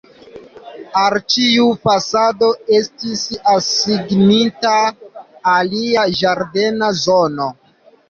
Al ĉiu fasado estis asignita alia ĝardena zono.